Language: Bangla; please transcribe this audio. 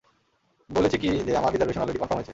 বলেছি কি যে আমার রিজার্ভেশন অলরেডি কনফার্ম হয়েছে?